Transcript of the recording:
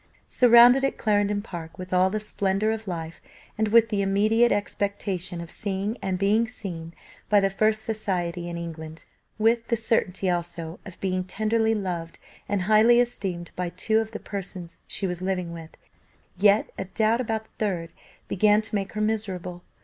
Surrounded at Clarendon Park with all the splendour of life, and with the immediate expectation of seeing and being seen by the first society in England; with the certainty also of being tenderly loved and highly esteemed by two of the persons she was living with, yet a doubt about the third began to make her miserable.